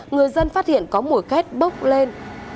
người dân phát hiện có mùa khét bốc lên